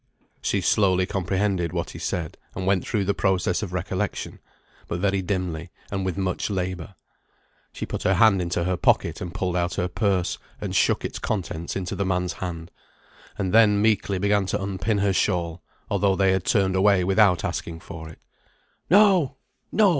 She slowly comprehended what he said, and went through the process of recollection; but very dimly, and with much labour. She put her hand into her pocket and pulled out her purse, and shook its contents into the man's hand; and then began meekly to unpin her shawl, although they had turned away without asking for it. "No, no!"